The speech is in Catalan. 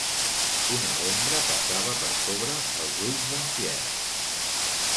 Una ombra passava per sobre els ulls d'en Pierre.